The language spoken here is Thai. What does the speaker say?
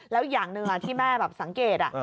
แล้วอีกอย่างหนึ่งอ่ะที่แม่แบบสังเกตอ่ะ